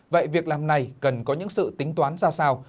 vậy việc làm này cần có những sự tính toán ra sao